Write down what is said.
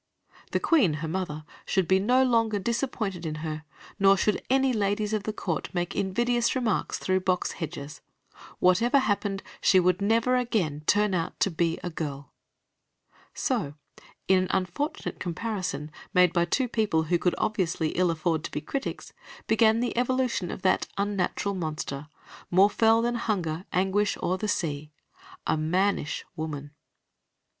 The Queen, her mother, should be no longer disappointed in her, nor should any ladies of the court make invidious remarks through box hedges. Whatever happened, she would never again turn out to be a girl. So, in an unfortunate comparison, made by two people who could obviously ill afford to be critics, began the evolution of that unnatural monster, more "fell than hunger, anguish, or the sea," a mannish woman.